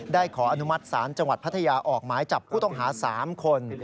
ขออนุมัติศาลจังหวัดพัทยาออกหมายจับผู้ต้องหา๓คน